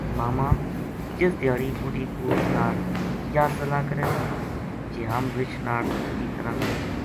ماما ! جس دھیاڑی بڈھی پوت ناڑ یاہ صلاح کرے تھی جی ہم رچھ ناڑ ٹھگی کراں گا